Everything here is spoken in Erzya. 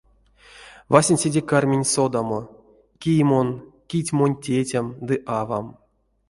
Васенцеде карминь содамо, кие мон, кить монь тетям ды авам.